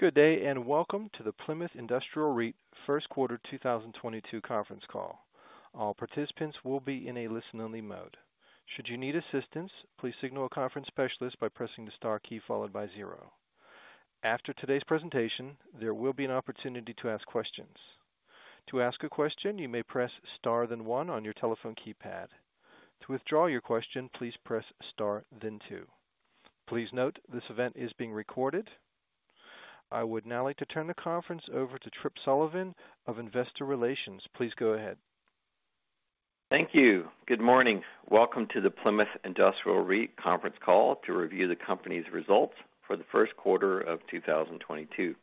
Good day, and welcome to the Plymouth Industrial REIT First Quarter 2022 Conference Call. All participants will be in a listen only mode. Should you need assistance, please signal a conference specialist by pressing the star key followed by zero. After today's presentation, there will be an opportunity to ask questions. To ask a question, you may press star then one on your telephone keypad. To withdraw your question, please press star then two. Please note this event is being recorded. I would now like to turn the conference over to Tripp Sullivan of Investor Relations. Please go ahead. Thank you. Good morning. Welcome to the Plymouth Industrial REIT conference call to review the company's results for the first quarterof 2022.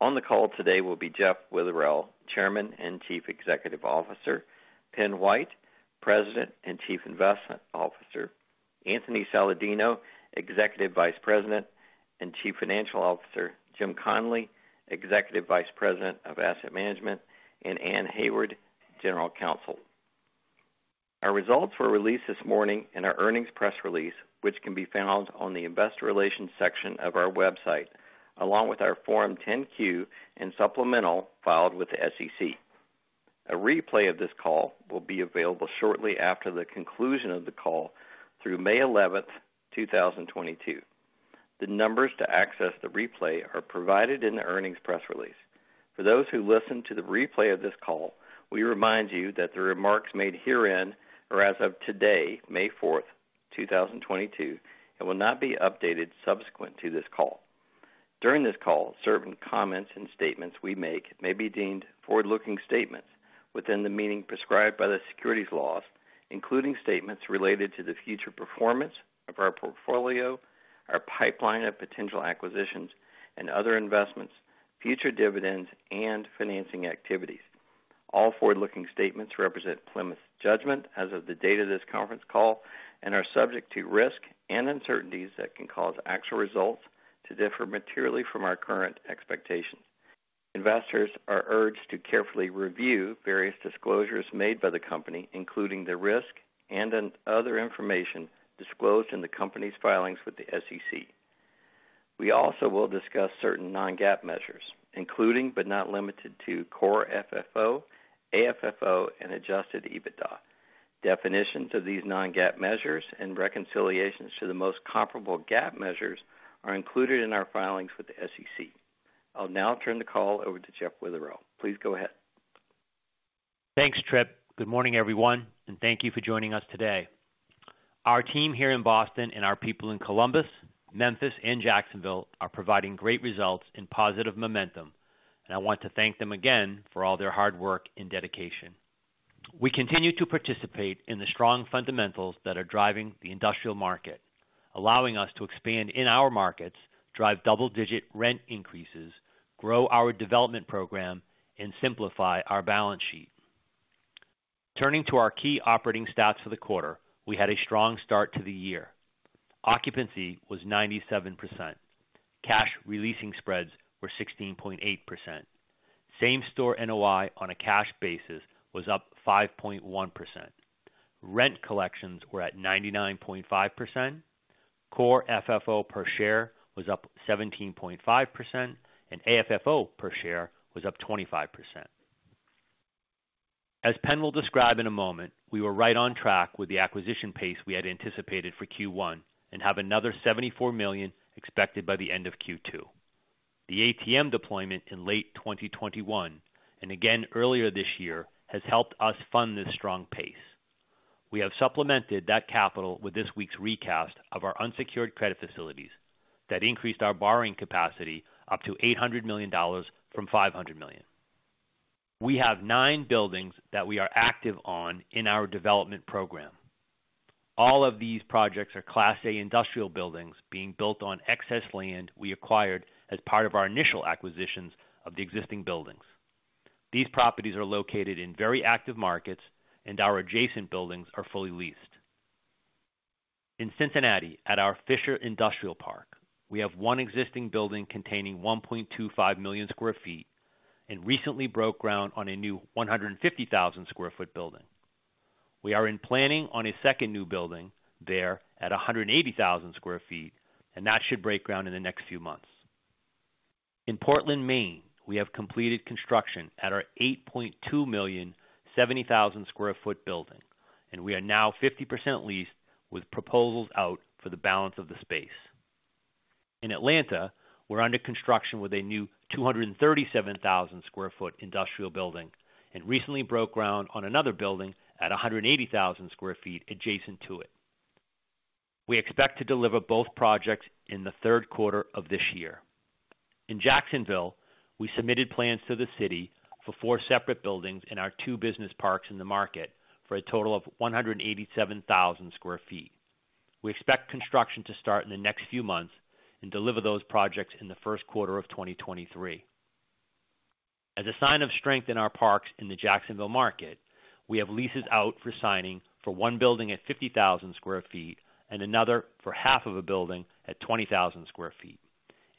On the call today will be Jeff Witherell, Chairman and Chief Executive Officer, Pen White, President and Chief Investment Officer, Anthony Saladino, Executive Vice President and Chief Financial Officer, Jim Connolly, Executive Vice President of Asset Management, and Anne Hayward, General Counsel. Our results were released this morning in our earnings press release, which can be found on the investor relations section of our website, along with our Form 10-Q and supplemental filed with the SEC. A replay of this call will be available shortly after the conclusion of the call through May 11, 2022. The numbers to access the replay are provided in the earnings press release. For those who listen to the replay of this call, we remind you that the remarks made herein are as of today, May 4th, 2022, and will not be updated subsequent to this call. During this call, certain comments and statements we make may be deemed forward-looking statements within the meaning prescribed by the securities laws, including statements related to the future performance of our portfolio, our pipeline of potential acquisitions and other investments, future dividends and financing activities. All forward-looking statements represent Plymouth's judgment as of the date of this conference call and are subject to risk and uncertainties that can cause actual results to differ materially from our current expectations. Investors are urged to carefully review various disclosures made by the company, including the risk and other information disclosed in the company's filings with the SEC. We also will discuss certain non-GAAP measures, including but not limited to Core FFO, AFFO, and adjusted EBITDA. Definitions of these non-GAAP measures and reconciliations to the most comparable GAAP measures are included in our filings with the SEC. I'll now turn the call over to Jeff Witherell. Please go ahead. Thanks, Tripp. Good morning, everyone, and thank you for joining us today. Our team here in Boston and our people in Columbus, Memphis, and Jacksonville are providing great results and positive momentum. I want to thank them again for all their hard work and dedication. We continue to participate in the strong fundamentals that are driving the industrial market, allowing us to expand in our markets, drive double-digit rent increases, grow our development program, and simplify our balance sheet. Turning to our key operating stats for the quarter, we had a strong start to the year. Occupancy was 97%. Cash leasing spreads were 16.8%. Same store NOI on a cash basis was up 5.1%. Rent collections were at 99.5%. Core FFO per share was up 17.5%, and AFFO per share was up 25%. As Pen will describe in a moment, we were right on track with the acquisition pace we had anticipated for Q1 and have another $74 million expected by the end of Q2. The ATM deployment in late 2021, and again earlier this year, has helped us fund this strong pace. We have supplemented that capital with this week's recast of our unsecured credit facilities that increased our borrowing capacity up to $800 million from $500 million. We have nine buildings that we are active on in our development program. All of these projects are class A industrial buildings being built on excess land we acquired as part of our initial acquisitions of the existing buildings. These properties are located in very active markets and our adjacent buildings are fully leased. In Cincinnati, at our Fisher Industrial Park, we have one existing building containing 1.25 million sq ft, and recently broke ground on a new 150,000 sq ft building. We are planning on a second new building there at 180,000 sq ft, and that should break ground in the next few months. In Portland, Maine, we have completed construction at our 82,000 sq ft building, and we are now 50% leased with proposals out for the balance of the space. In Atlanta, we're under construction with a new 237,000 sq ft industrial building and recently broke ground on another building at 180,000 sq ft adjacent to it. We expect to deliver both projects in the third quarter of this year. In Jacksonville, we submitted plans to the city for four separate buildings in our two business parks in the market for a total of 187,000 sq ft. We expect construction to start in the next few months and deliver those projects in the first quarter of 2023. As a sign of strength in our parks in the Jacksonville market, we have leases out for signing for one building at 50,000 sq ft and another for half of a building at 20,000 sq ft,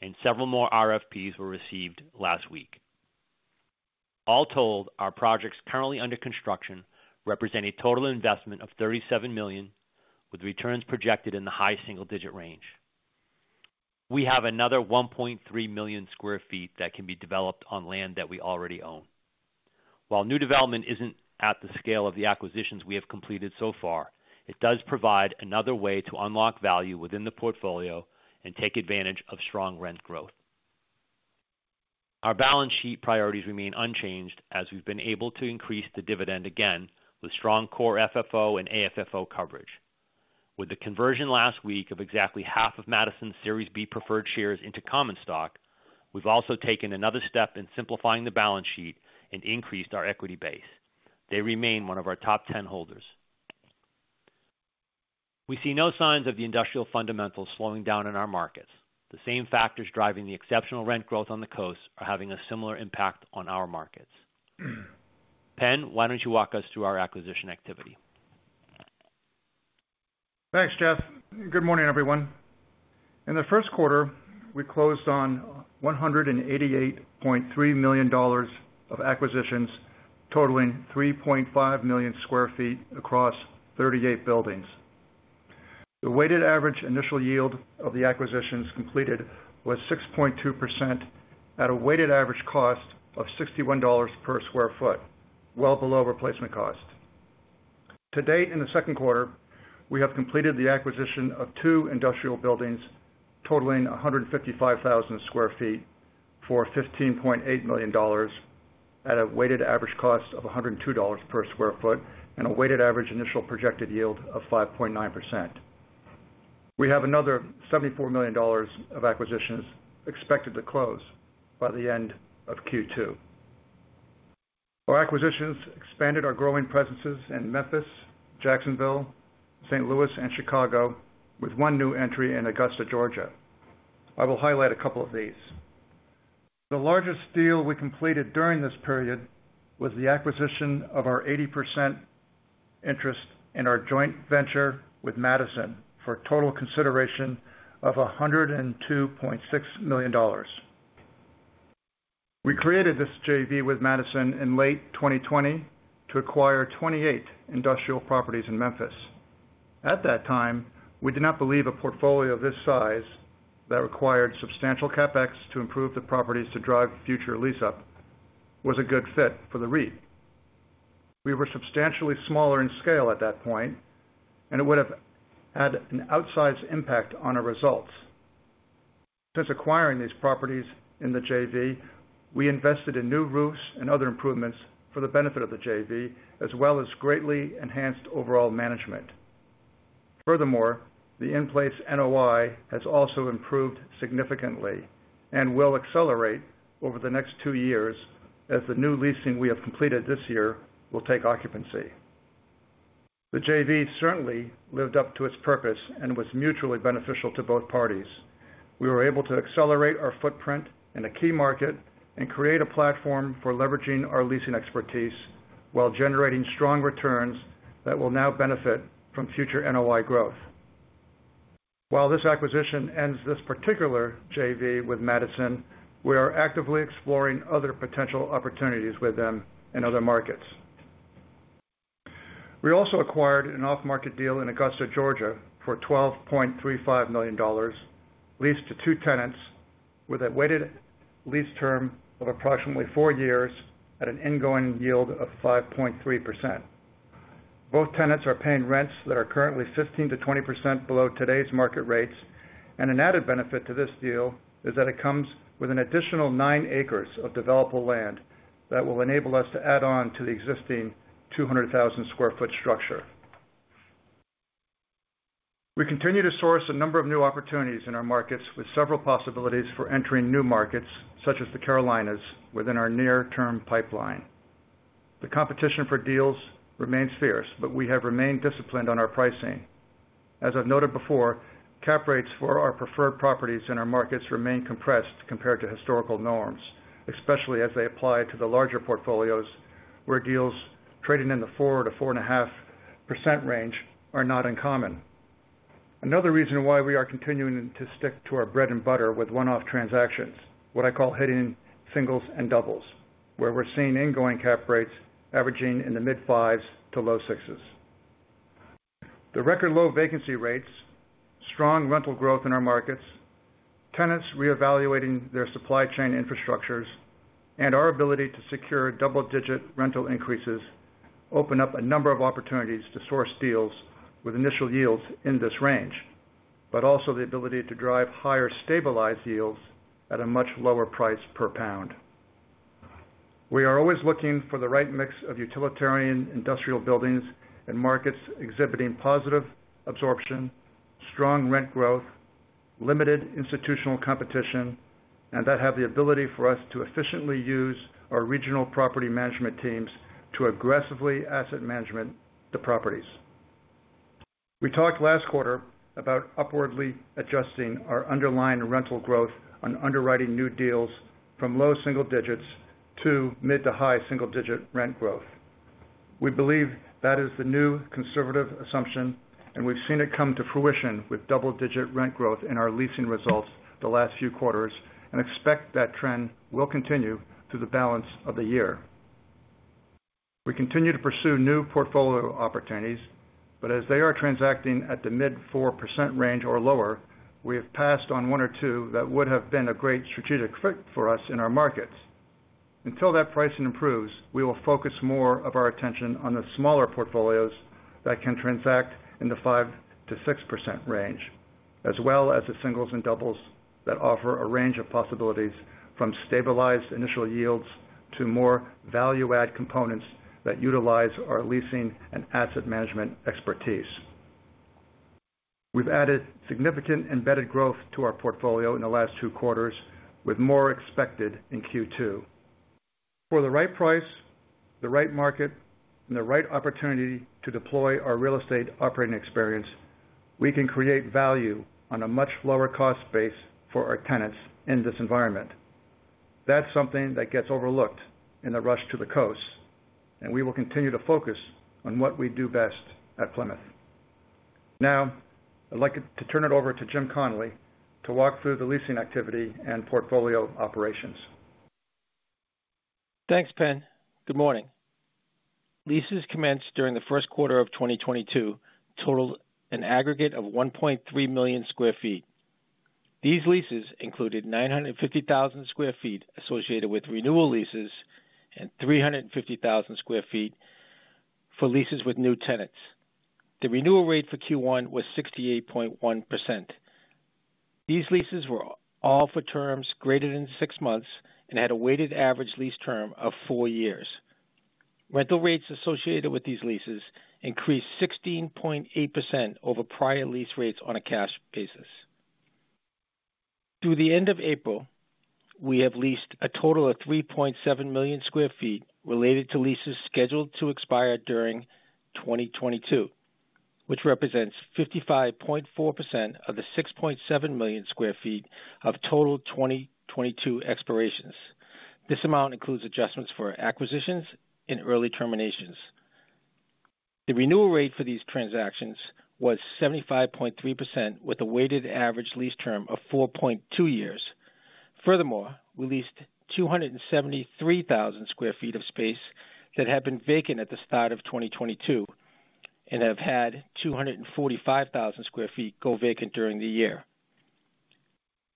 and several more RFPs were received last week. All told, our projects currently under construction represent a total investment of $37 million, with returns projected in the high single-digit range. We have another 1.3 million sq ft that can be developed on land that we already own. While new development isn't at the scale of the acquisitions we have completed so far, it does provide another way to unlock value within the portfolio and take advantage of strong rent growth. Our balance sheet priorities remain unchanged as we've been able to increase the dividend again with strong Core FFO and AFFO coverage. With the conversion last week of exactly half of Madison's Series B preferred shares into common stock, we've also taken another step in simplifying the balance sheet and increased our equity base. They remain one of our top ten holders. We see no signs of the industrial fundamentals slowing down in our markets. The same factors driving the exceptional rent growth on the coast are having a similar impact on our markets. Pen, why don't you walk us through our acquisition activity? Thanks, Jeff. Good morning, everyone. In the first quarter, we closed on $188.3 million of acquisitions, totaling 3.5 million sq ft across 38 buildings. The weighted average initial yield of the acquisitions completed was 6.2% at a weighted average cost of $61 per sq ft, well below replacement cost. To date, in the second quarter, we have completed the acquisition of two industrial buildings totaling 155,000 sq ft for $15.8 million at a weighted average cost of $102 per sq ft and a weighted average initial projected yield of 5.9%. We have another $74 million of acquisitions expected to close by the end of Q2. Our acquisitions expanded our growing presences in Memphis, Jacksonville, St. Louis, and Chicago, with one new entry in Augusta, Georgia. I will highlight a couple of these. The largest deal we completed during this period was the acquisition of our 80% interest in our joint venture with Madison for a total consideration of $102.6 million. We created this JV with Madison in late 2020 to acquire 28 industrial properties in Memphis. At that time, we did not believe a portfolio this size that required substantial CapEx to improve the properties to drive future lease up was a good fit for the REIT. We were substantially smaller in scale at that point, and it would have had an outsized impact on our results. Since acquiring these properties in the JV, we invested in new roofs and other improvements for the benefit of the JV, as well as greatly enhanced overall management. Furthermore, the in-place NOI has also improved significantly and will accelerate over the next two years as the new leasing we have completed this year will take occupancy. The JV certainly lived up to its purpose and was mutually beneficial to both parties. We were able to accelerate our footprint in a key market and create a platform for leveraging our leasing expertise while generating strong returns that will now benefit from future NOI growth. While this acquisition ends this particular JV with Madison, we are actively exploring other potential opportunities with them in other markets. We also acquired an off-market deal in Augusta, Georgia, for $12.35 million, leased to two tenants with a weighted lease term of approximately four years at an ingoing yield of 5.3%. Both tenants are paying rents that are currently 15%-20% below today's market rates, and an added benefit to this deal is that it comes with an additional nine acres of developable land that will enable us to add on to the existing 200,000 sq ft structure. We continue to source a number of new opportunities in our markets with several possibilities for entering new markets, such as the Carolinas, within our near-term pipeline. The competition for deals remains fierce, but we have remained disciplined on our pricing. As I've noted before, cap rates for our preferred properties in our markets remain compressed compared to historical norms, especially as they apply to the larger portfolios where deals trading in the 4%-4.5% range are not uncommon. Another reason why we are continuing to stick to our bread and butter with one-off transactions, what I call hitting singles and doubles, where we're seeing going-in cap rates averaging in the mid-5s to low 6s. The record low vacancy rates, strong rental growth in our markets, tenants reevaluating their supply chain infrastructures, and our ability to secure double-digit rental increases open up a number of opportunities to source deals with initial yields in this range, but also the ability to drive higher stabilized yields at a much lower price per square foot. We are always looking for the right mix of utilitarian industrial buildings in markets exhibiting positive absorption, strong rent growth, limited institutional competition, and that have the ability for us to efficiently use our regional property management teams to aggressively asset manage the properties. We talked last quarter about upwardly adjusting our underlying rental growth on underwriting new deals from low single digits to mid to high single digit rent growth. We believe that is the new conservative assumption, and we've seen it come to fruition with double digit rent growth in our leasing results the last few quarters and expect that trend will continue through the balance of the year. We continue to pursue new portfolio opportunities, but as they are transacting at the mid-4% range or lower, we have passed on one or two that would have been a great strategic fit for us in our markets. Until that pricing improves, we will focus more of our attention on the smaller portfolios that can transact in the 5%-6% range, as well as the singles and doubles that offer a range of possibilities, from stabilized initial yields to more value add components that utilize our leasing and asset management expertise. We've added significant embedded growth to our portfolio in the last two quarters, with more expected in Q2. For the right price, the right market, and the right opportunity to deploy our real estate operating experience, we can create value on a much lower cost base for our tenants in this environment. That's something that gets overlooked in the rush to the coast, and we will continue to focus on what we do best at Plymouth. Now, I'd like to turn it over to Jim Connolly to walk through the leasing activity and portfolio operations. Thanks, Pen. Good morning. Leases commenced during the first quarter of 2022 totaled an aggregate of 1.3 million sq ft. These leases included 950,000 sq ft associated with renewal leases and 350,000 sq ft for leases with new tenants. The renewal rate for Q1 was 68.1%. These leases were all for terms greater than six months and had a weighted average lease term of four years. Rental rates associated with these leases increased 16.8% over prior lease rates on a cash basis. Through the end of April, we have leased a total of 3.7 million sq ft related to leases scheduled to expire during 2022, which represents 55.4% of the 6.7 million sq ft of total 2022 expirations. This amount includes adjustments for acquisitions and early terminations. The renewal rate for these transactions was 75.3%, with a weighted average lease term of 4.2 years. Furthermore, we leased 273,000 sq ft of space that had been vacant at the start of 2022 and have had 245,000 sq ft go vacant during the year.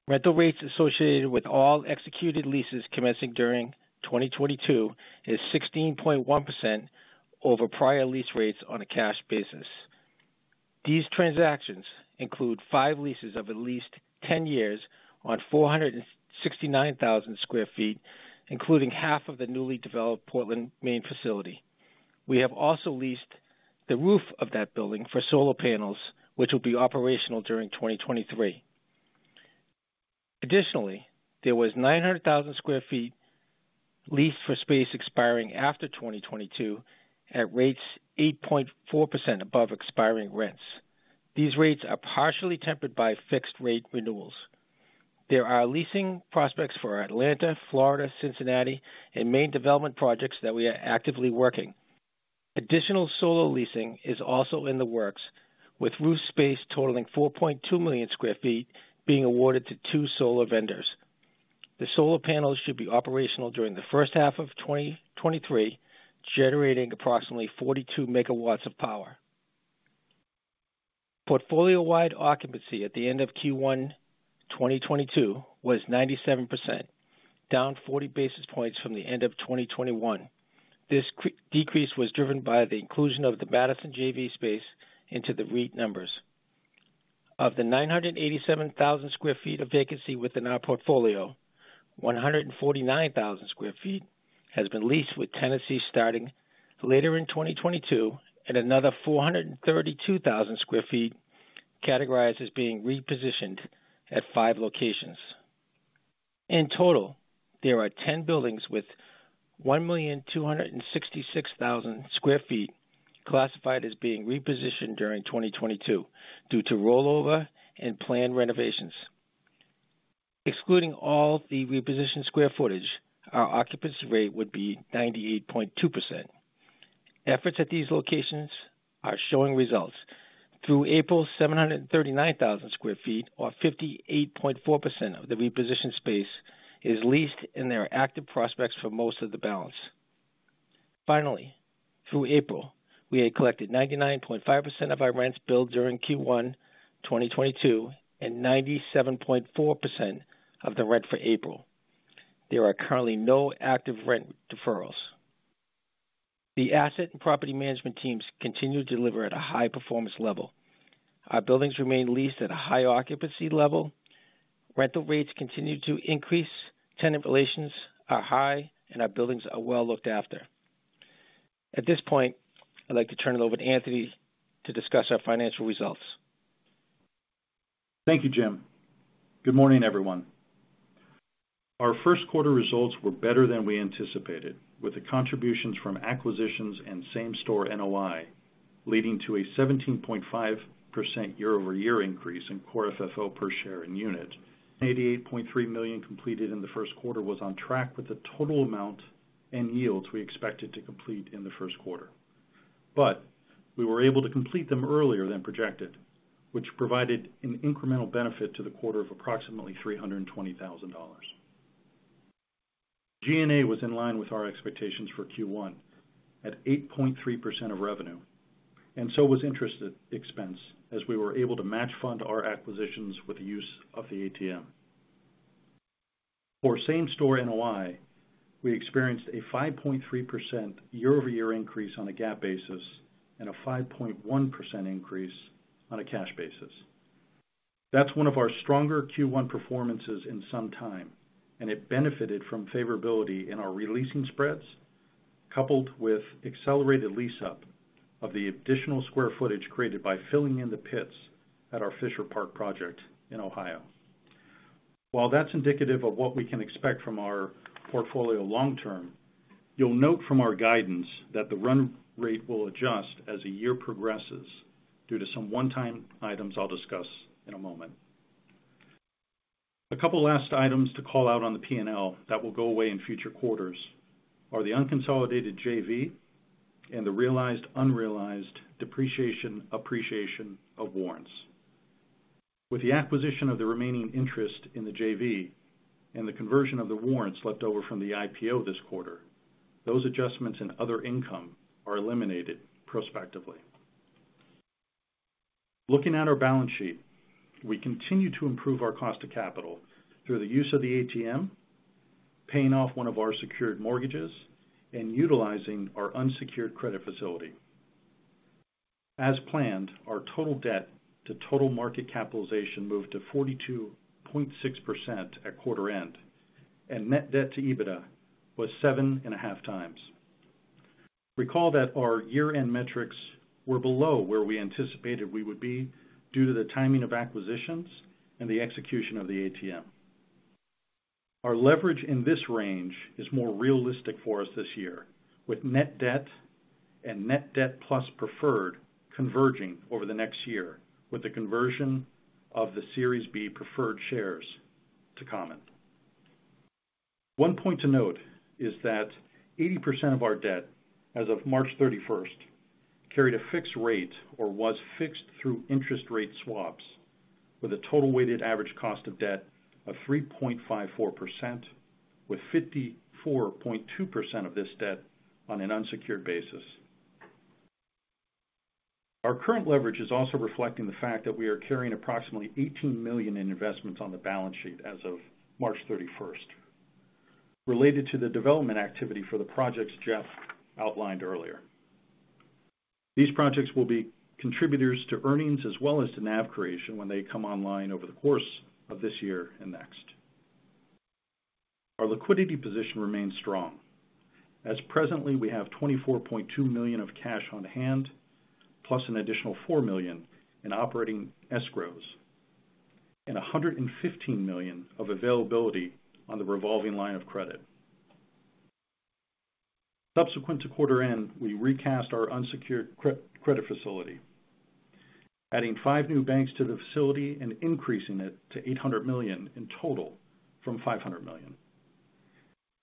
Rental rates associated with all executed leases commencing during 2022 is 16.1% over prior lease rates on a cash basis. These transactions include five leases of at least 10 years on 469,000 sq ft, including half of the newly developed Portland, Maine facility. We have also leased the roof of that building for solar panels, which will be operational during 2023. Additionally, there was 900,000 sq ft leased for space expiring after 2022 at rates 8.4% above expiring rents. These rates are partially tempered by fixed rate renewals. There are leasing prospects for Atlanta, Florida, Cincinnati and Maine development projects that we are actively working. Additional solar leasing is also in the works, with roof space totaling 4.2 million sq ft being awarded to two solar vendors. The solar panels should be operational during the first half of 2023, generating approximately 42 MW of power. Portfolio-wide occupancy at the end of Q1 2022 was 97%, down 40 basis points from the end of 2021. This Q1 decrease was driven by the inclusion of the Madison JV space into the REIT numbers. Of the 987,000 sq ft of vacancy within our portfolio, 149,000 sq ft has been leased, with tenancies starting later in 2022 and another 432,000 sq ft categorized as being repositioned at five locations. In total, there are 10 buildings with 1,266,000 sq ft classified as being repositioned during 2022 due to rollover and planned renovations. Excluding all the repositioned square footage, our occupancy rate would be 98.2%. Efforts at these locations are showing results. Through April, 739,000 sq ft, or 58.4% of the reposition space, is leased, and there are active prospects for most of the balance. Finally, through April, we had collected 99.5% of our rents billed during Q1 2022 and 97.4% of the rent for April. There are currently no active rent deferrals. The asset and property management teams continue to deliver at a high performance level. Our buildings remain leased at a high occupancy level. Rental rates continue to increase. Tenant relations are high and our buildings are well looked after. At this point, I'd like to turn it over to Anthony to discuss our financial results. Thank you, Jim. Good morning, everyone. Our first quarter results were better than we anticipated, with the contributions from acquisitions and same store NOI. Leading to a 17.5% year-over-year increase in Core FFO per share and unit. $88.3 million completed in the first quarter was on track with the total amount and yields we expected to complete in the first quarter. We were able to complete them earlier than projected, which provided an incremental benefit to the quarter of approximately $320,000. G&A was in line with our expectations for Q1 at 8.3% of revenue, and so was interest expense as we were able to match fund our acquisitions with the use of the ATM. For same-store NOI, we experienced a 5.3% year-over-year increase on a GAAP basis and a 5.1% increase on a cash basis. That's one of our stronger Q1 performances in some time, and it benefited from favorability in our re-leasing spreads, coupled with accelerated lease-up of the additional square footage created by filling in the pits at our Fisher Park project in Ohio. While that's indicative of what we can expect from our portfolio long term, you'll note from our guidance that the run rate will adjust as the year progresses due to some one-time items I'll discuss in a moment. A couple last items to call out on the P&L that will go away in future quarters are the unconsolidated JV and the realized-unrealized depreciation, appreciation of warrants. With the acquisition of the remaining interest in the JV and the conversion of the warrants left over from the IPO this quarter, those adjustments in other income are eliminated prospectively. Looking at our balance sheet, we continue to improve our cost of capital through the use of the ATM, paying off one of our secured mortgages, and utilizing our unsecured credit facility. As planned, our total debt to total market capitalization moved to 42.6% at quarter end, and net debt to EBITDA was 7.5x. Recall that our year-end metrics were below where we anticipated we would be due to the timing of acquisitions and the execution of the ATM. Our leverage in this range is more realistic for us this year, with net debt and net debt plus preferred converging over the next year with the conversion of the Series B preferred shares to common. One point to note is that 80% of our debt as of March 31 carried a fixed rate or was fixed through interest rate swaps with a total weighted average cost of debt of 3.54%, with 54.2% of this debt on an unsecured basis. Our current leverage is also reflecting the fact that we are carrying approximately $18 million in investments on the balance sheet as of March 31. Related to the development activity for the projects Jeff outlined earlier. These projects will be contributors to earnings as well as to NAV creation when they come online over the course of this year and next. Our liquidity position remains strong, as presently we have $24.2 million of cash on-hand, plus an additional $4 million in operating escrows and $115 million of availability on the revolving line of credit. Subsequent to quarter end, we recast our unsecured credit facility, adding five new banks to the facility and increasing it to $800 million in total from $500 million.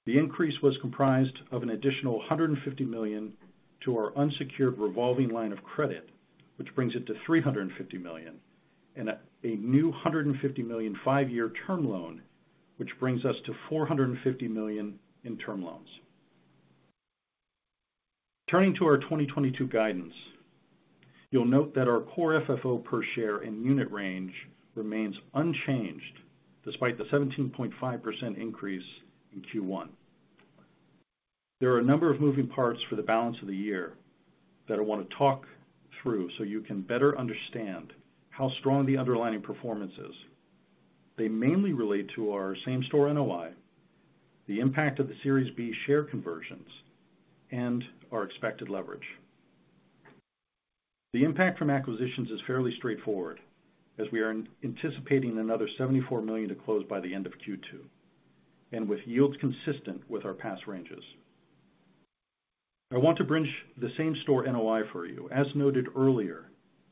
The increase was comprised of an additional $150 million to our unsecured revolving line of credit, which brings it to $350 million, and a new $150 million five-year term loan, which brings us to $450 million in term loans. Turning to our 2022 guidance, you'll note that our Core FFO per share in unit range remains unchanged despite the 17.5% increase in Q1. There are a number of moving parts for the balance of the year that I want to talk through so you can better understand how strong the underlying performance is. They mainly relate to our same-store NOI, the impact of the Series B share conversions, and our expected leverage. The impact from acquisitions is fairly straightforward as we are anticipating another $74 million to close by the end of Q2, and with yields consistent with our past ranges. I want to bridge the same-store NOI for you. As noted earlier,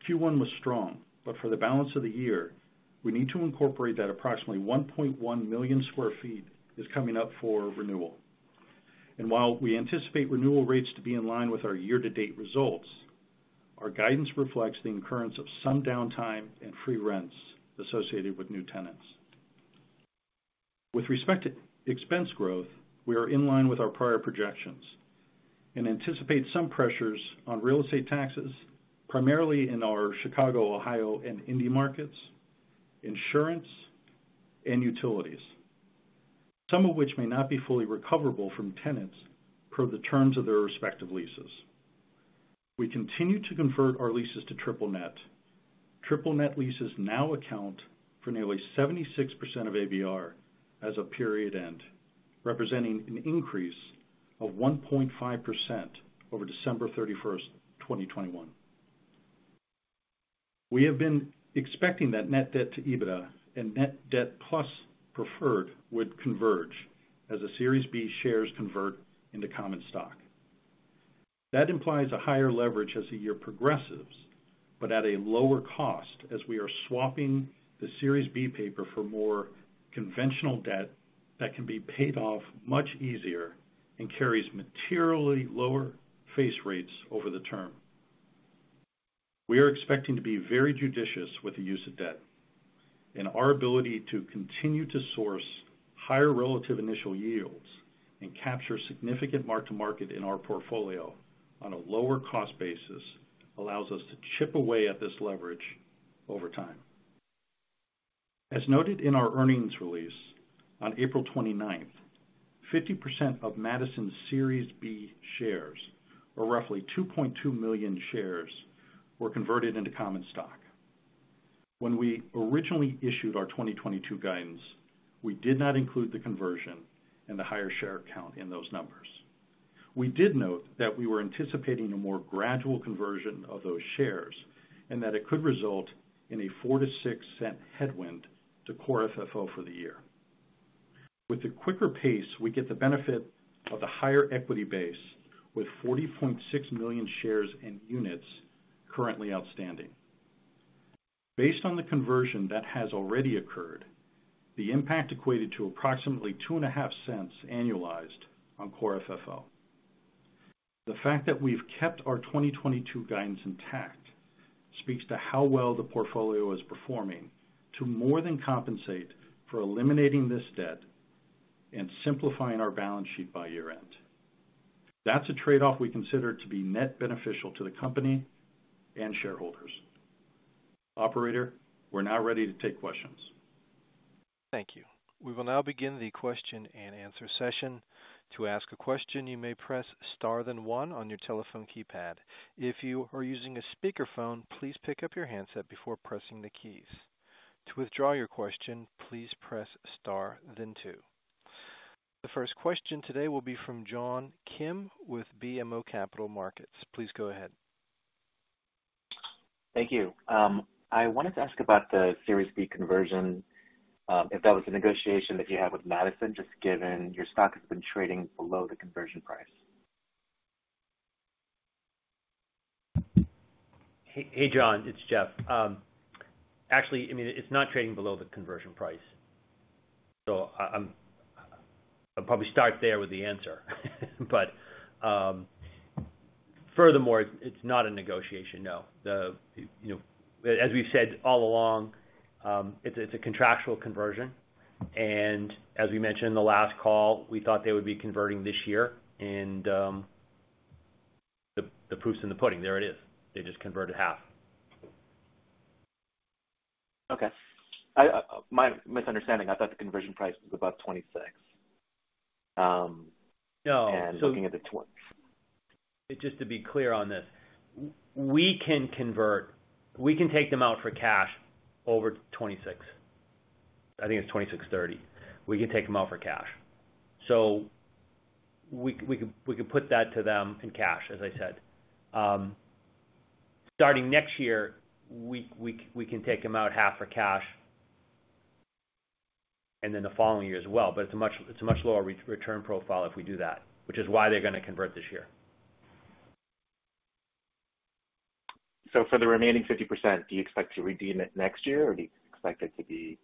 Q1 was strong, but for the balance of the year, we need to incorporate that approximately 1.1 million sq ft is coming up for renewal. While we anticipate renewal rates to be in line with our year-to-date results, our guidance reflects the incurrence of some downtime and free rents associated with new tenants. With respect to expense growth, we are in line with our prior projections and anticipate some pressures on real estate taxes, primarily in our Chicago, Ohio, and Indy markets, insurance, and utilities, some of which may not be fully recoverable from tenants per the terms of their respective leases. We continue to convert our leases to triple net. Triple net leases now account for nearly 76% of ABR as of period end, representing an increase of 1.5% over December 31, 2021. We have been expecting that net debt to EBITDA and net debt plus preferred would converge as the Series B shares convert into common stock. That implies a higher leverage as the year progresses, but at a lower cost as we are swapping the Series B paper for more conventional debt that can be paid off much easier and carries materially lower face rates over the term. We are expecting to be very judicious with the use of debt, and our ability to continue to source higher relative initial yields and capture significant mark-to-market in our portfolio on a lower cost basis allows us to chip away at this leverage over time. As noted in our earnings release on April 29, 50% of Madison's Series B shares, or roughly 2.2 million shares, were converted into common stock. When we originally issued our 2022 guidance, we did not include the conversion and the higher share count in those numbers. We did note that we were anticipating a more gradual conversion of those shares and that it could result in a $0.04-$0.06 headwind to Core FFO for the year. With the quicker pace, we get the benefit of the higher equity base with 40.6 million shares and units currently outstanding. Based on the conversion that has already occurred, the impact equated to approximately $0.025 annualized on Core FFO. The fact that we've kept our 2022 guidance intact speaks to how well the portfolio is performing to more than compensate for eliminating this debt and simplifying our balance sheet by year-end. That's a trade-off we consider to be net beneficial to the company and shareholders. Operator, we're now ready to take questions. Thank you. We will now begin the question-and-answer session. To ask a question, you may press star then one on your telephone keypad. If you are using a speakerphone, please pick up your handset before pressing the keys. To withdraw your question, please press star then two. The first question today will be from John Kim with BMO Capital Markets. Please go ahead. Thank you. I wanted to ask about the Series B conversion, if that was a negotiation that you had with Madison, just given your stock has been trading below the conversion price? Hey, John, it's Jeff. Actually, I mean, it's not trading below the conversion price. I'll probably start there with the answer. Furthermore, it's not a negotiation, no. As we've said all along, it's a contractual conversion. As we mentioned in the last call, we thought they would be converting this year. The proof's in the pudding. There it is. They just converted half. Okay. I, my misunderstanding. I thought the conversion price was above $26. Looking at the-- No. Just to be clear on this, we can convert. We can take them out for cash over $26. I think it's $26.30. We can take them out for cash. We could put that to them in cash, as I said. Starting next year, we can take them out half for cash and then the following year as well. It's a much lower return profile if we do that, which is why they're gonna convert this year. For the remaining 50%, do you expect to redeem it next year, or do you expect it to be?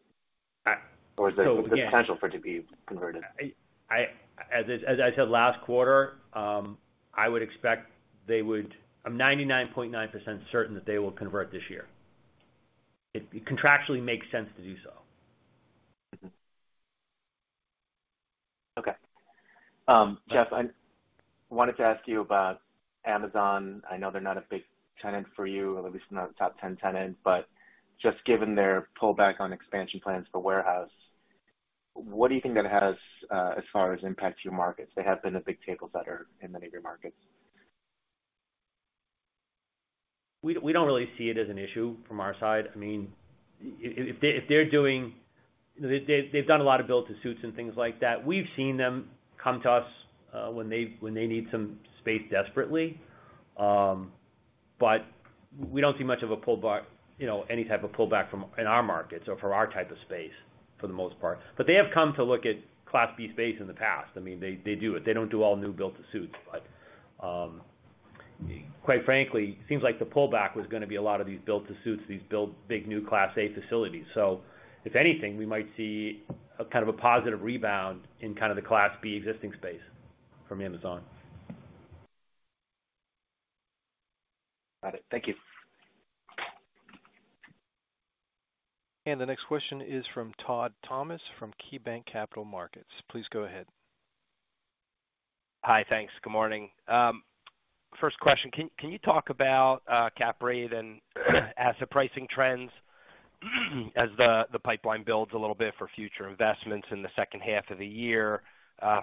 Is there potential for it to be converted? As I said last quarter, I would expect they would. I'm 99.9% certain that they will convert this year. It contractually makes sense to do so. Okay. Jeff, I wanted to ask you about Amazon. I know they're not a big tenant for you, or at least not a top ten tenant, but just given their pullback on expansion plans for warehouse, what do you think that has, as far as impact to your markets? They have been a big table setter in many of your markets. We don't really see it as an issue from our side. I mean, if they're doing. They've done a lot of build-to-suits and things like that. We've seen them come to us, when they need some space desperately. We don't see much of a pullback, you know, any type of pullback from in our markets or for our type of space for the most part. They have come to look at Class B space in the past. I mean, they do it. They don't do all new build-to-suits. Quite frankly, it seems like the pullback was gonna be a lot of these build-to-suits, these big new Class A facilities. If anything, we might see a kind of a positive rebound in kind of the Class B existing space from Amazon. Got it. Thank you. The next question is from Todd Thomas from KeyBanc Capital Markets. Please go ahead. Hi. Thanks. Good morning. First question. Can you talk about cap rate and asset pricing trends as the pipeline builds a little bit for future investments in the second half of the year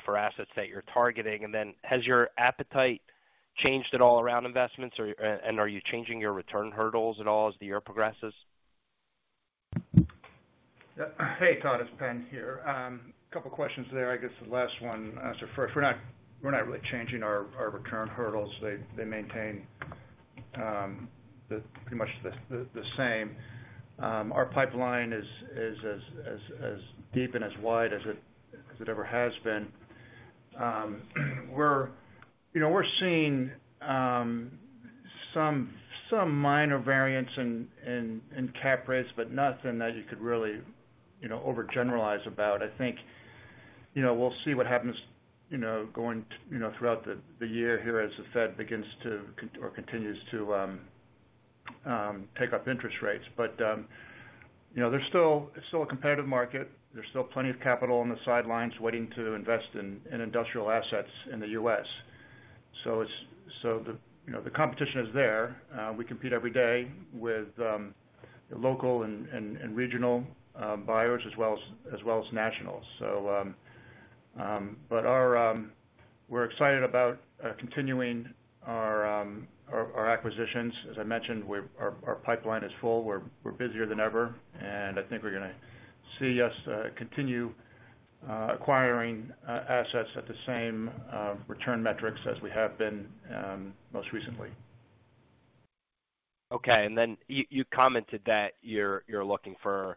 for assets that you're targeting? Has your appetite changed at all around investments and are you changing your return hurdles at all as the year progresses? Yeah. Hey, Todd, it's Pen here. Couple questions there. I guess the last one. I'll answer first. We're not really changing our return hurdles. They maintain pretty much the same. Our pipeline is as deep and as wide as it ever has been. You know, we're seeing some minor variance in cap rates, but nothing that you could really, you know, overgeneralize about. I think, you know, we'll see what happens, you know, going throughout the year here as the Fed continues to tick up interest rates. You know, it's still a competitive market. There's still plenty of capital on the sidelines waiting to invest in industrial assets in the U.S. You know, the competition is there. We compete every day with local and regional buyers as well as nationals. We're excited about continuing our acquisitions. As I mentioned, our pipeline is full. We're busier than ever, and I think we're gonna see us continue acquiring assets at the same return metrics as we have been most recently. Okay. Then you commented that you're looking for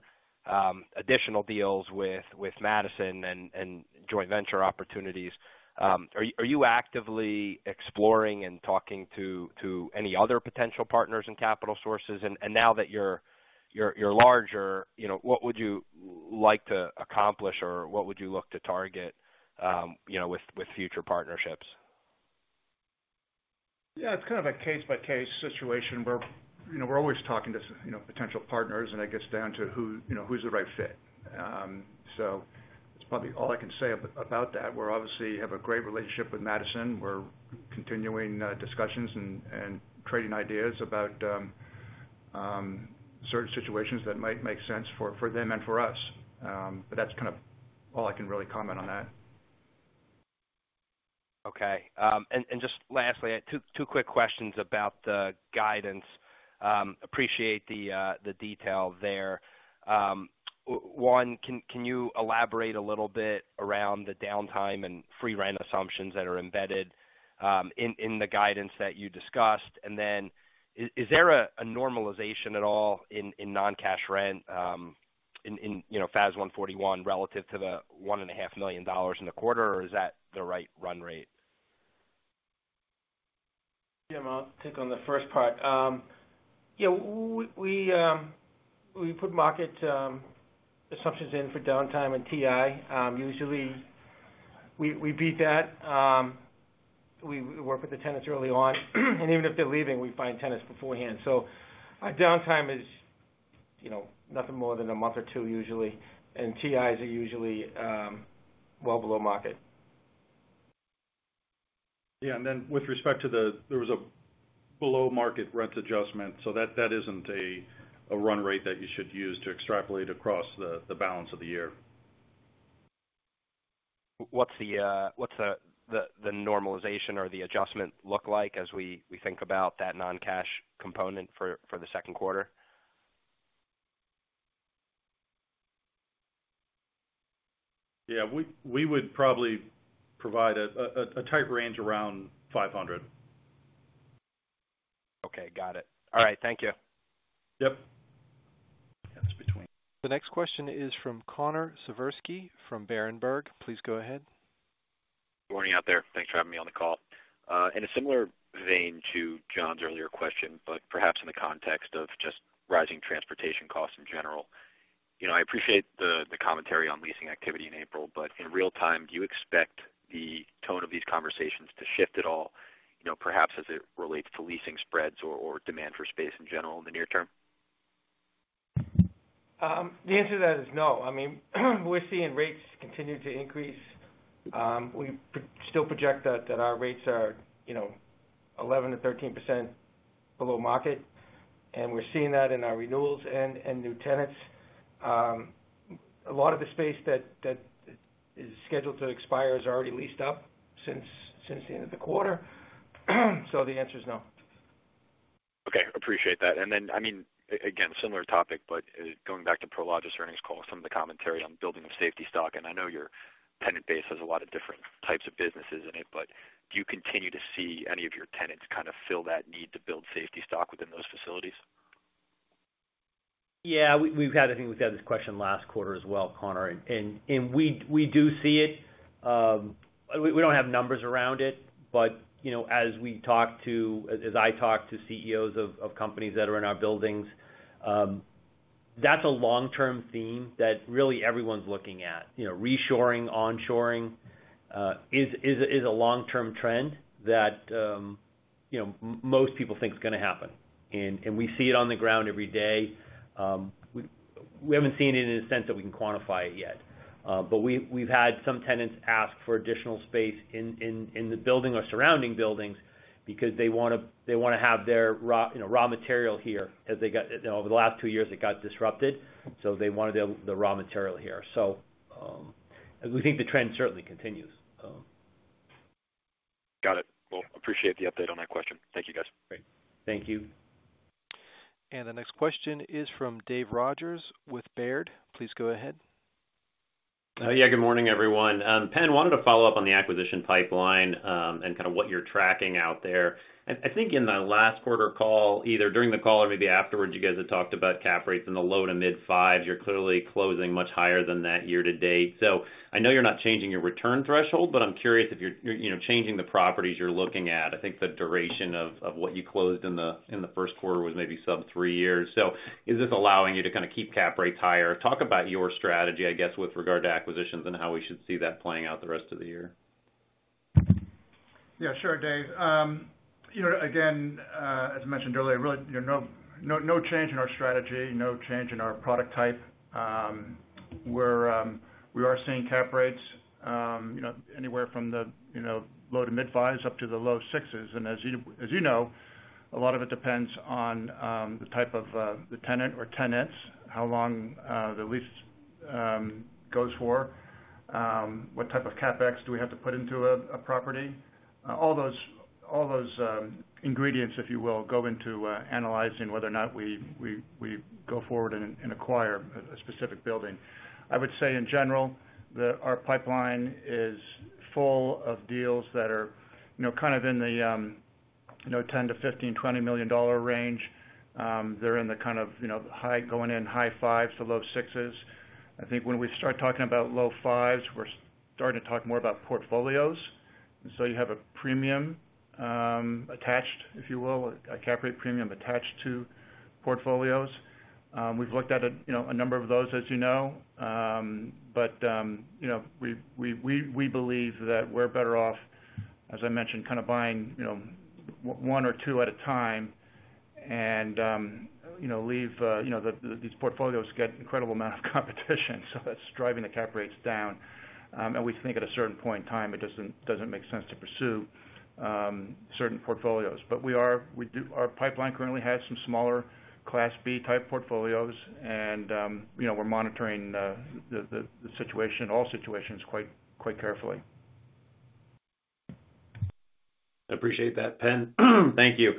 additional deals with Madison and joint venture opportunities. Are you actively exploring and talking to any other potential partners and capital sources? Now that you're larger, you know, what would you like to accomplish or what would you look to target, you know, with future partnerships? Yeah. It's kind of a case-by-case situation. We're, you know, always talking to you know, potential partners, and it gets down to who, you know, who's the right fit. That's probably all I can say about that. We're obviously have a great relationship with Madison. We're continuing discussions and trading ideas about certain situations that might make sense for them and for us. That's kind of all I can really comment on that. Okay. Just lastly, two quick questions about the guidance. Appreciate the detail there. One, can you elaborate a little bit around the downtime and free rent assumptions that are embedded in the guidance that you discussed? Then is there a normalization at all in non-cash rent, in you know, FAS 141 relative to the $1.5 million in the quarter, or is that the right run rate? Yeah. I'll take on the first part. Yeah, we put market assumptions in for downtime and TI. Usually we beat that. We work with the tenants early on, and even if they're leaving, we find tenants beforehand. Our downtime is, you know, nothing more than a month or two usually, and TIs are usually well below market. Yeah. With respect to the, there was a below-market rent adjustment, so that isn't a run rate that you should use to extrapolate across the balance of the year. What's the normalization or the adjustment look like as we think about that non-cash component for the second quarter? Yeah. We would probably provide a tight range around $500 million. Okay. Got it. All right. Thank you. Yep. The next question is from Connor Siversky from Berenberg. Please go ahead. Good morning out there. Thanks for having me on the call. In a similar vein to John's earlier question, but perhaps in the context of just rising transportation costs in general. You know, I appreciate the commentary on leasing activity in April. In real time, do you expect the tone of these conversations to shift at all, you know, perhaps as it relates to leasing spreads or demand for space in general in the near term? The answer to that is no. I mean, we're seeing rates continue to increase. We still project that our rates are, you know, 11%-13% below market, and we're seeing that in our renewals and new tenants. A lot of the space that is scheduled to expire is already leased up since the end of the quarter, so the answer is no. Okay. Appreciate that. I mean, again, similar topic, but going back to Prologis earnings call, some of the commentary on building of safety stock, and I know your tenant base has a lot of different types of businesses in it. Do you continue to see any of your tenants kind of fill that need to build safety stock within those facilities? Yeah. We've had this question last quarter as well, Connor. We do see it. We don't have numbers around it. You know, as I talk to CEOs of companies that are in our buildings, that's a long-term theme that really everyone's looking at. You know, reshoring, onshoring, is a long-term trend that, you know, most people think is gonna happen. We see it on the ground every day. We haven't seen it in a sense that we can quantify it yet. We’ve had some tenants ask for additional space in the building or surrounding buildings because they wanna have their raw, you know, material here, as they got, you know, over the last two years, it got disrupted, so they wanted the raw material here. We think the trend certainly continues. Got it. Appreciate the update on that question. Thank you, guys. Great. Thank you. The next question is from Dave Rogers with Baird. Please go ahead. Yeah, good morning, everyone. Pen, wanted to follow up on the acquisition pipeline, and kind of what you're tracking out there. I think in the last quarter call, either during the call or maybe afterwards, you guys had talked about cap rates in the low to mid-5s. You're clearly closing much higher than that year-to-date. I know you're not changing your return threshold, but I'm curious if you're, you know, changing the properties you're looking at. I think the duration of what you closed in the first quarter was maybe sub-three years. Is this allowing you to kind of keep cap rates higher? Talk about your strategy, I guess, with regard to acquisitions and how we should see that playing out the rest of the year. Yeah, sure, Dave. You know, again, as mentioned earlier, really, you know, no change in our strategy, no change in our product type. We are seeing cap rates, you know, anywhere from the low- to mid-5s up to the low 6s. As you know, a lot of it depends on the type of the tenant or tenants, how long the lease goes for, what type of CapEx do we have to put into a property. All those ingredients, if you will, go into analyzing whether or not we go forward and acquire a specific building. I would say in general that our pipeline is full of deals that are, you know, kind of in the, you know, $10 million-$15 million, $20 million range. They're in the kind of, you know, high going-in high 5s to low 6s. I think when we start talking about low 5s, we're starting to talk more about portfolios. You have a premium attached, if you will, a cap rate premium attached to portfolios. We've looked at, you know, a number of those, as you know. But, you know, we believe that we're better off, as I mentioned, kind of buying, you know, one or two at a time. These portfolios get incredible amount of competition so that's driving the cap rates down. We think at a certain point in time, it doesn't make sense to pursue certain portfolios. Our pipeline currently has some smaller Class B type portfolios and, you know, we're monitoring the situation, all situations quite carefully. Appreciate that, Pen. Thank you.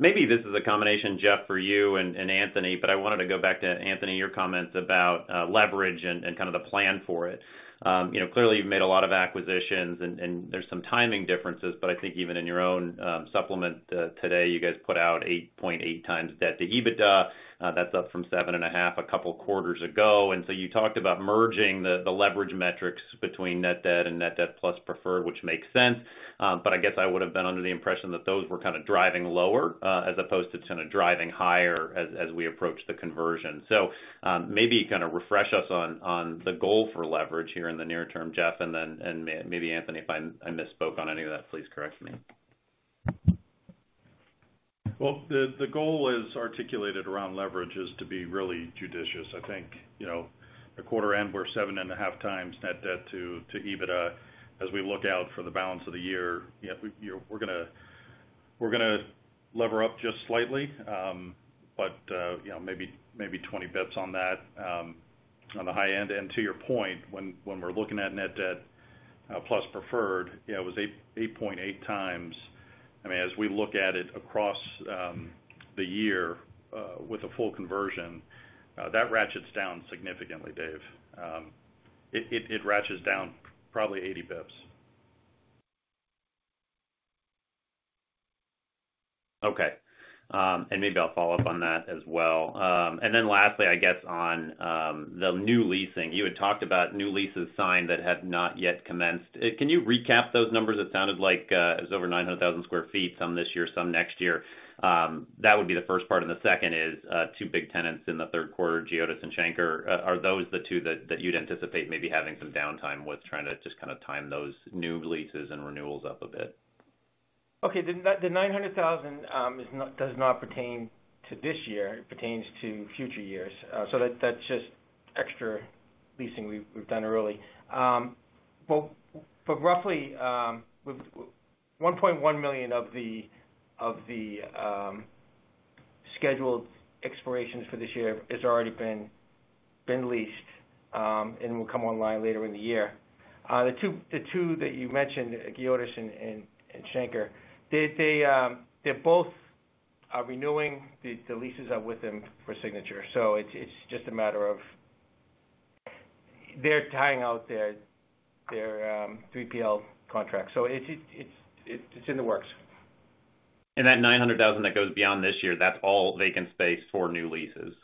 Maybe this is a combination, Jeff, for you and Anthony, but I wanted to go back to Anthony, your comments about leverage and kind of the plan for it. You know, clearly you've made a lot of acquisitions and there's some timing differences, but I think even in your own supplement today, you guys put out 8.8x debt to EBITDA. That's up from 7.5x a couple quarters ago. You talked about merging the leverage metrics between net debt and net debt plus preferred, which makes sense. I guess I would have been under the impression that those were kind of driving lower as opposed to kind of driving higher as we approach the conversion. Maybe kind of refresh us on the goal for leverage here in the near term, Jeff, and then maybe Anthony, if I misspoke on any of that, please correct me. Well, the goal is articulated around leverage is to be really judicious. I think, you know, at quarter end, we're 7.5x net debt to EBITDA. As we look out for the balance of the year, you know, we're gonna lever up just slightly, but, you know, maybe 20 bps on that, on the high end. To your point, when we're looking at net debt, plus preferred, you know, it was 8.8x. I mean, as we look at it across the year, with a full conversion, that ratchets down significantly, Dave. It ratchets down probably 80 bps. Okay. Maybe I'll follow up on that as well. Lastly, I guess on the new leasing. You had talked about new leases signed that have not yet commenced. Can you recap those numbers? It sounded like it was over 900,000 sq ft, some this year, some next year. That would be the first part. The second is two big tenants in the third quarter, GEODIS and Schenker. Are those the two that you'd anticipate maybe having some downtime with trying to just kind of time those new leases and renewals up a bit? Okay. The 900,000 is not, does not pertain to this year. It pertains to future years. That's just extra leasing we've done early. Roughly, we've 1.1 million of the scheduled expirations for this year has already been leased and will come online later in the year. The two that you mentioned, GEODIS and Schenker, they both are renewing. The leases are with them for signature. It's just a matter of they're tying out their 3PL contracts. It's in the works. That 900,000 that goes beyond this year, that's all vacant space for new leases?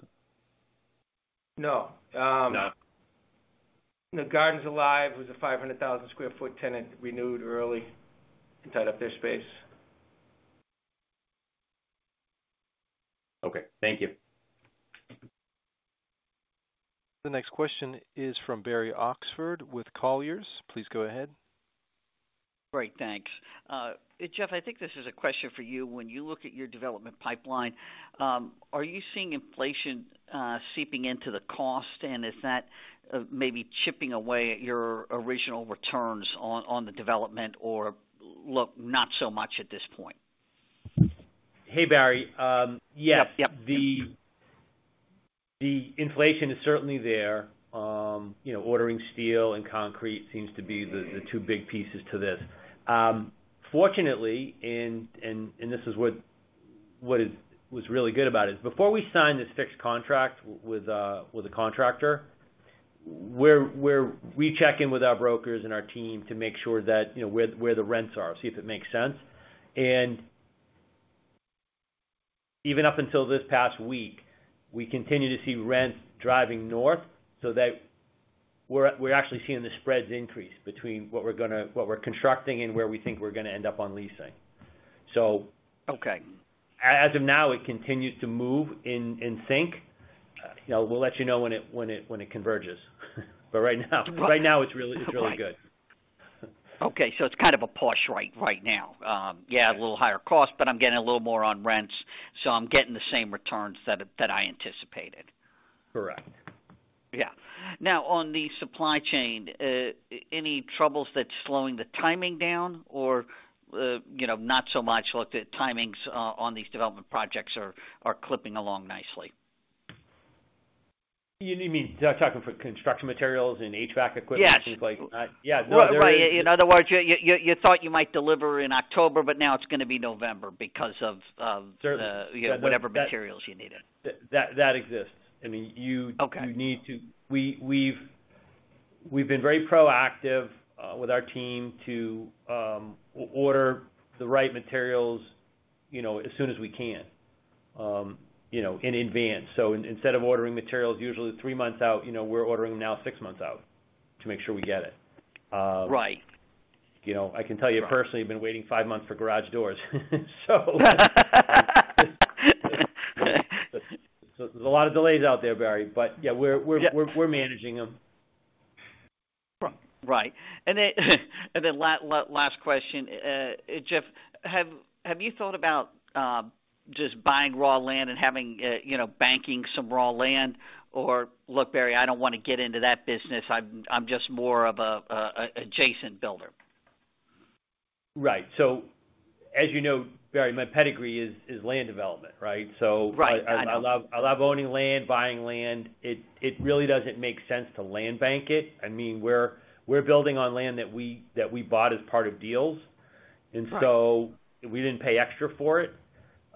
No. No. The Gardens Alive! was a 500,000 sq ft tenant renewed early and tied up their space. Okay. Thank you. The next question is from Barry Oxford with Colliers. Please go ahead. Great. Thanks. Jeff, I think this is a question for you. When you look at your development pipeline, are you seeing inflation seeping into the cost? Is that maybe chipping away at your original returns on the development or look not so much at this point? Hey, Barry. The inflation is certainly there. You know, ordering steel and concrete seems to be the two big pieces to this. Fortunately, and this is what was really good about it. Before we sign this fixed contract with the contractor, we check in with our brokers and our team to make sure that, you know, where the rents are, see if it makes sense. Even up until this past week, we continue to see rents driving north so that we're actually seeing the spreads increase between what we're constructing and where we think we're gonna end up on leasing. As of now, it continues to move in sync. You know, we'll let you know when it converges. Right now it's really good. Okay. It's kind of a push right now. A little higher cost, but I'm getting a little more on rents, so I'm getting the same returns that I anticipated. Correct. Yeah. Now, on the supply chain, any troubles that's slowing the timeline down or, you know, not so much. Look, the timelines on these development projects are clipping along nicely. You mean, you're talking for construction materials and HVAC equipment. Things like? Yeah. No, there is-- Right. In other words, you thought you might deliver in October, but now it's gonna be November because of the. You know, whatever materials you needed. That exists. I mean, we've been very proactive with our team to order the right materials, you know, as soon as we can, you know, in advance. Instead of ordering materials usually three months out, you know, we're ordering now six months out to make sure we get it. Right. You know, I can tell you personally, I've been waiting five months for garage doors. So there's a lot of delays out there, Barry, but yeah, we're managing them. Right. Last question. Jeff, have you thought about just buying raw land and having you know, banking some raw land? Or, "Look, Barry, I don't wanna get into that business. I'm just more of a adjacent builder. Right. As you know, Barry, my pedigree is land development, right? Right. I know. I love owning land, buying land. It really doesn't make sense to land bank it. I mean, we're building on land that we bought as part of deals. We didn't pay extra for it.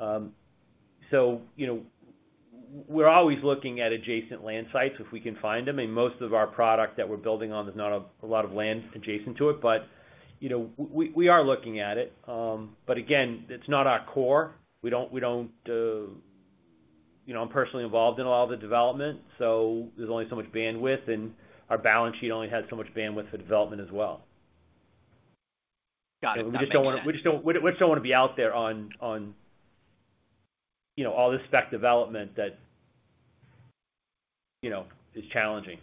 You know, we're always looking at adjacent land sites if we can find them. Most of our product that we're building on, there's not a lot of land adjacent to it, but you know, we are looking at it. Again, it's not our core. We don't you know, I'm personally involved in a lot of the development, so there's only so much bandwidth, and our balance sheet only has so much bandwidth for development as well. Got it. That makes sense. We just don't wanna be out there on, you know, all this spec development that, you know, is challenging.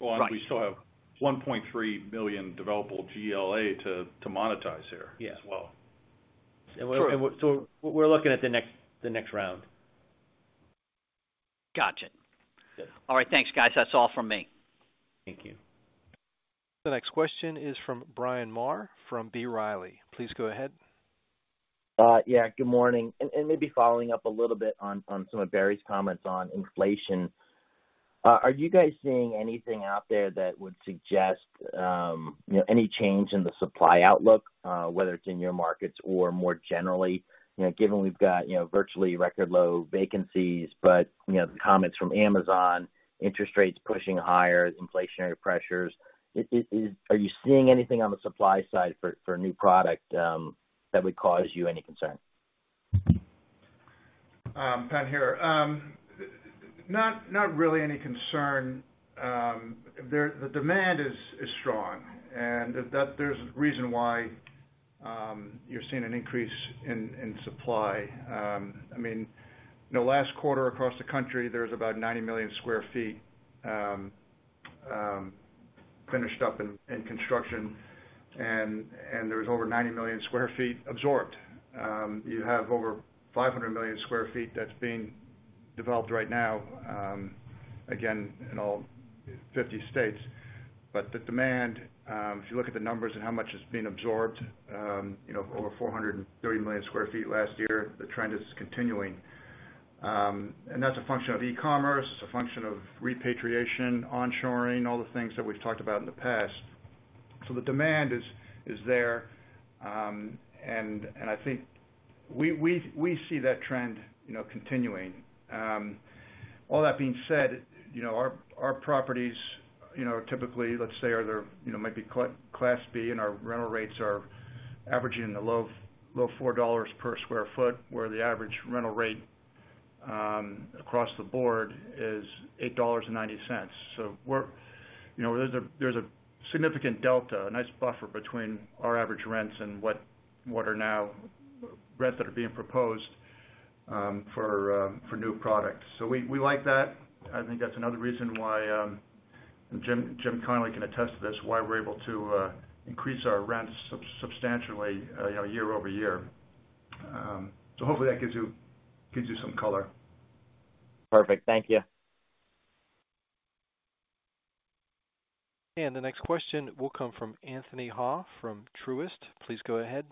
We still have 1.3 million developable GLA to monetize here as well. Sure. We're looking at the next round. Got it. All right. Thanks, guys. That's all from me. Thank you. The next question is from Bryan Maher from B. Riley. Please go ahead. Yeah, good morning. Maybe following up a little bit on some of Barry's comments on inflation. Are you guys seeing anything out there that would suggest, you know, any change in the supply outlook, whether it's in your markets or more generally, you know, given we've got, you know, virtually record low vacancies, but, you know, the comments from Amazon, interest rates pushing higher, inflationary pressures. Are you seeing anything on the supply side for a new product that would cause you any concern? Pen here. Not really any concern. The demand is strong, and that there's reason why you're seeing an increase in supply. I mean, you know, last quarter across the country, there was about 90 million sq ft finished up in construction, and there was over 90 million sq ft absorbed. You have over 500 million sq ft that's being developed right now, again, in all 50 states. The demand, if you look at the numbers and how much is being absorbed, you know, over 430 million sq ft last year, the trend is continuing. That's a function of e-commerce, it's a function of repatriation, onshoring, all the things that we've talked about in the past. The demand is there, and I think we see that trend, you know, continuing. All that being said, you know, our properties, you know, typically, let's say, might be Class B, and our rental rates are averaging in the low $4 per sq ft, where the average rental rate across the board is $8.90. You know, there's a significant delta, a nice buffer between our average rents and what the new rents that are being proposed for new products. We like that. I think that's another reason why Jim Connolly can attest to this, why we're able to increase our rents substantially, you know, year-over-year. Hopefully that gives you some color. Perfect. Thank you. The next question will come from Anthony Hau from Truist. Please go ahead.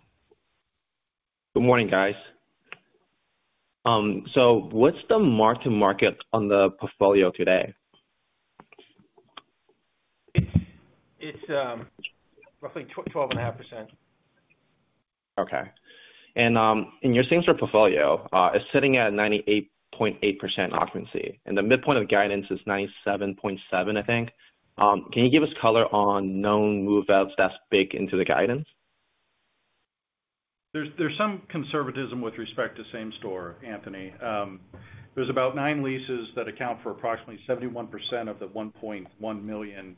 Good morning, guys. What's the mark-to-market on the portfolio today? It's roughly 12.5%. Okay. In your same-store portfolio, it's sitting at 98.8% occupancy, and the midpoint of guidance is 97.7%, I think. Can you give us color on known move outs that's baked into the guidance? There's some conservatism with respect to same store, Anthony. There's about nine leases that account for approximately 71% of the $1.1 million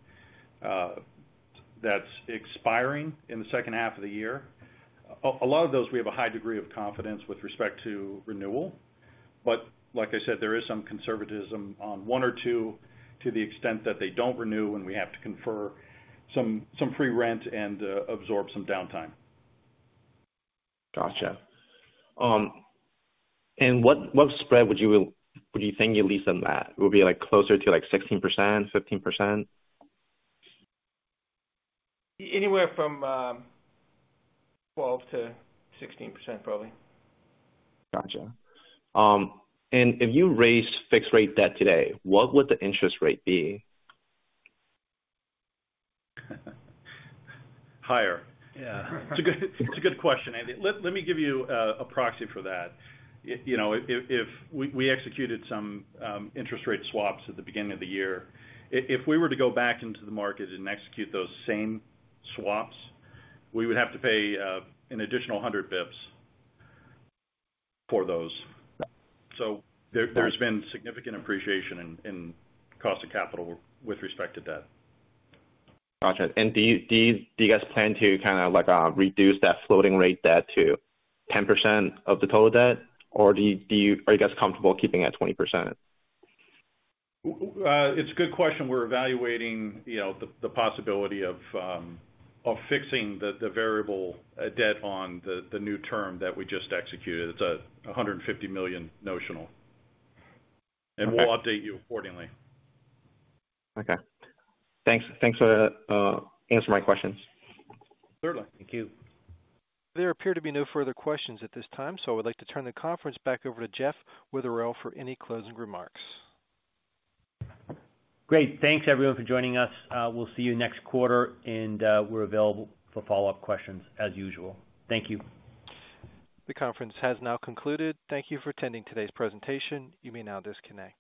that's expiring in the second half of the year. A lot of those, we have a high degree of confidence with respect to renewal. Like I said, there is some conservatism on one or two to the extent that they don't renew, and we have to confer some free rent and absorb some downtime. Got it. What spread would you think your lease on that? Would be like closer to like 16%, 15%? Anywhere from 12%-16%, probably. Got it. If you raised fixed rate debt today, what would the interest rate be? Higher. It's a good question, Anthony. Let me give you a proxy for that. You know, if we executed some interest rate swaps at the beginning of the year, if we were to go back into the market and execute those same swaps, we would have to pay an additional 100 bps for those. There's been significant appreciation in cost of capital with respect to debt. Got it. Do you guys plan to kind of like reduce that floating rate debt to 10% of the total debt? Or are you guys comfortable keeping it at 20%? It's a good question. We're evaluating, you know, the possibility of fixing the variable debt on the new term that we just executed. It's $150 million notional. We'll update you accordingly. Okay. Thanks for answering my questions. Certainly. Thank you. There appear to be no further questions at this time, so I would like to turn the conference back over to Jeff Witherell for any closing remarks. Great. Thanks, everyone for joining us. We'll see you next quarter and we're available for follow-up questions as usual. Thank you. The conference has now concluded. Thank you for attending today's presentation. You may now disconnect.